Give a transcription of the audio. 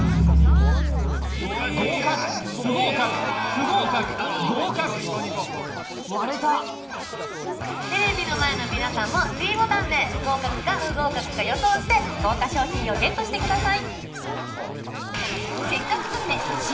合格不合格不合格合格割れたテレビの前の皆さんもｄボタンで合格か不合格か予想して豪華賞品をＧＥＴしてください